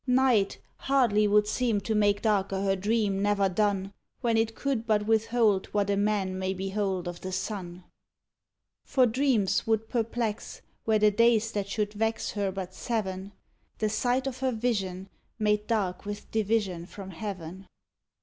Night hardly would seem to make darker her dream never done, When it could but withhold what a man may behold of the sun. For dreams would perplex, were the days that should vex her but seven, The sight of her vision, made dark with division from heaven.